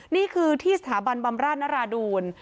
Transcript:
นี่คือที่สถาบันบัมรนด์นราดูน